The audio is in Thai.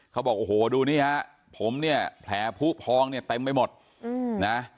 เขาบอกโอ้โหดูนี่ฮะผมเนี่ยแผลผู้พองเนี่ยเต็มไปหมดนะ